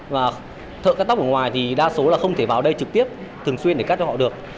và thợ cắt tóc ở ngoài thì đa số là không thể vào đây trực tiếp thường xuyên để cắt cho họ được